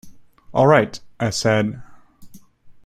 “All right,” I said.